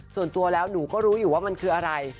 ส่วนตัวแล้วหนูก็รู้อยู่ว่ามันคืออะไร